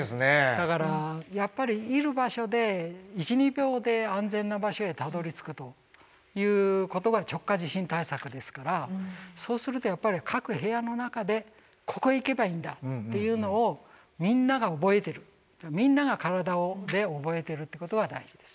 だからやっぱりいる場所で１２秒で安全な場所へたどりつくということが直下地震対策ですからそうするとやっぱり各部屋の中でここへ行けばいいんだというのをみんなが覚えてるみんなが体で覚えてるっていうことが大事です。